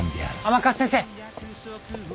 甘春先生。